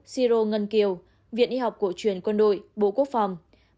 sáu siro ngân kiều viện y học cổ truyền quân đội bộ quốc phòng